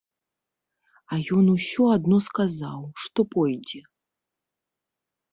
А ён усё адно сказаў, што пойдзе.